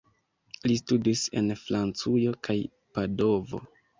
Li studis en Francujo kaj Padovo.